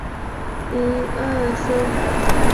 海德穆拉市是瑞典中部达拉纳省的一个自治市。